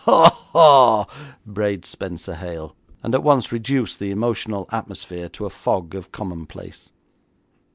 'Haw haw,' brayed Spenser Hale, and at once reduced the emotional atmosphere to a fog of commonplace.